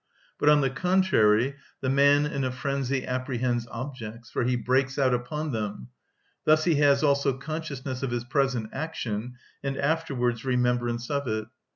But, on the contrary, the man in a frenzy apprehends objects, for he breaks out upon them; thus he has also consciousness of his present action, and afterwards remembrance of it.